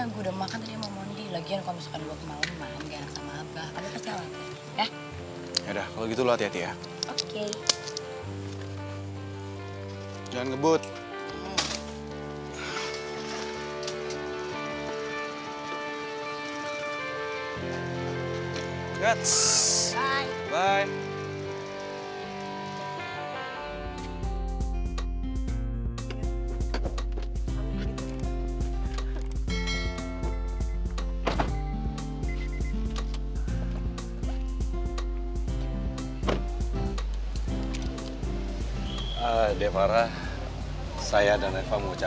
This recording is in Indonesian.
gue udah makan tadi sama mondi lagian kalo besokan dua kemalem